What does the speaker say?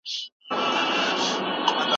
ژبني اصول باید په هر متن کې مراعات شي.